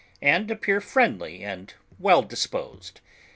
and appear friendly and well disposed.